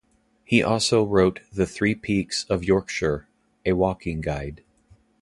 He also wrote The Three Peaks of Yorkshire a walking guide.